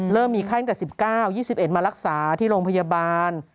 มีไข้ตั้งแต่๑๙๒๑มารักษาที่โรงพยาบาล